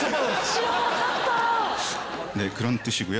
知らなかった。